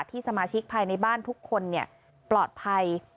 ที่สมาชิกภายในบ้านทุกคนเนี่ยปลอดภัย